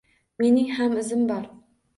Mening ham izim bor